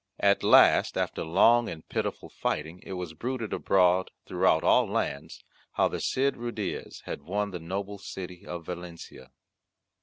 At last after long and pitiful fighting it was bruited abroad throughout all lands, how the Cid Ruydiez had won the noble city of Valencia.